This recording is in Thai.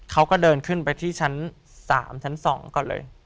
เขาก็เดินขึ้นไปที่ชั้น๓ชั้น๒ก่อนเลย